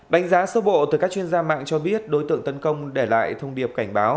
đánh giá sơ bộ từ các chuyên gia mạng cho biết đối tượng tấn công để lại thông điệp cảnh báo